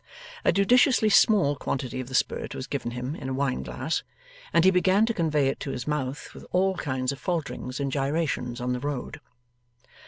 A judiciously small quantity of the spirit was given him in a wine glass, and he began to convey it to his mouth, with all kinds of falterings and gyrations on the road.